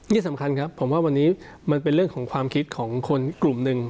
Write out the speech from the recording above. ที่สำคัญครับผมว่าวันนี้มันเป็นเรื่องของความคิดของคนกลุ่มหนึ่ง